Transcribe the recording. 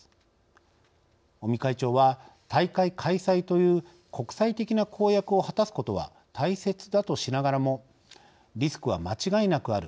尾身会長は大会開催という国際的な公約を果たすことは大切だとしながらも「リスクは間違いなくある。